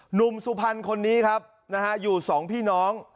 หนุ่มสุพรรณคนนี้ครับอยู่๒พี่น้อง